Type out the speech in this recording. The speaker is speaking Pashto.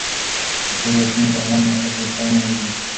د پوزې او ستوني بلغم د مسواک په واسطه له منځه ځي.